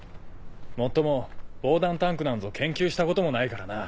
もっとも防弾タンクなんぞ研究したこともないからな。